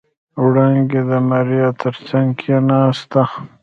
وړانګې د ماريا تر څنګ کېناسته.